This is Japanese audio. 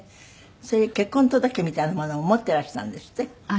それで結婚届みたいなものも持っていらしたんですって？